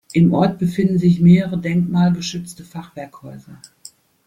Im Ort befinden sich mehrere denkmalgeschützte Fachwerkhäuser.